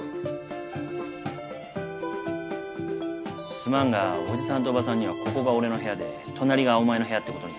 すまんが伯父さんと伯母さんにはここが俺の部屋で隣がお前の部屋って事にするから。